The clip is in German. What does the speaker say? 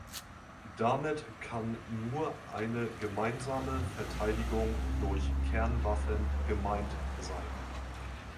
Damit kann nur eine gemeinsame Verteidigung durch Kernwaffen gemeint sein.